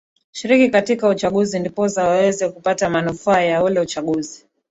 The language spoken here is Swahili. shiriki katika uchaguzi ndiposa waweze kupata manufaa ya ule uchaguzi